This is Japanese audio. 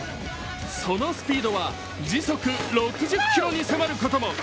そのスピードは、時速６０キロに迫ることも。